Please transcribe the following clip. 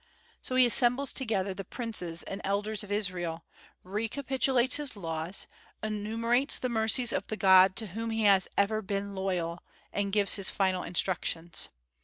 So he assembles together the princes and elders of Israel, recapitulates his laws, enumerates the mercies of the God to whom he has ever been loyal, and gives his final instructions.